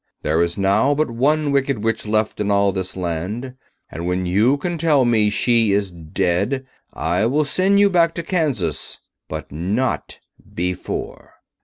There is now but one Wicked Witch left in all this land, and when you can tell me she is dead I will send you back to Kansas—but not before."